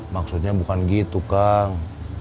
maksudnya bukan gitu kang